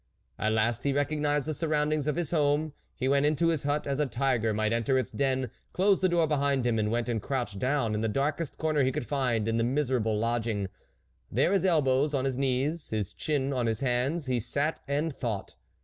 At last he recognised the surroundings of his home ; he went into his hut as a tiger might enter its den, closed the door behind him, and went and crouched down in the darkest corner he could find in his miser able lodging. There, his elbows on his knees, his chin on his hands, he sat and thought.